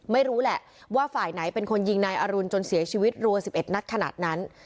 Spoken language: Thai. ไม่รู้แหละว่าฝ่ายไหนเป็นคนยิงนายอรุณจนเสียชีวิตรัว๑๑นัดขนาดนั้น